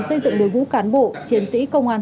xây dựng đối vũ cán bộ chiến sĩ công an